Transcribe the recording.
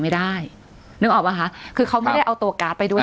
ไม่ได้นึกออกป่ะคะคือเขาไม่ได้เอาตัวการ์ดไปด้วย